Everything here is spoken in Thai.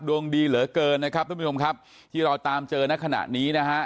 ดวงดีเหลือเกินนะครับทุกผู้ชมครับที่เราตามเจอในขณะนี้นะฮะ